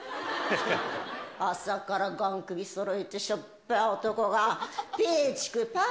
朝からがん首そろえて、しょっぱい男が、ぴーちくぱー